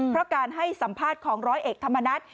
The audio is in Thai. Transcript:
เพราะการให้สัมภาษณ์ของร้อยเอกธรรมนัฐ